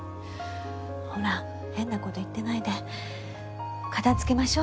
ほら変な事言ってないで片付けましょう。